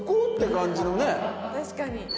確かに。